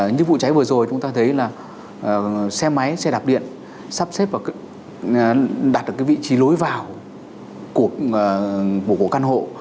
như vụ trái vừa rồi chúng ta thấy là xe máy xe đạp điện sắp xếp và đặt được cái vị trí lối vào của căn hộ